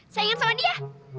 saingan sama dia